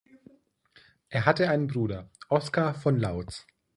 Er hatte einen Bruder: Oskar von Lautz.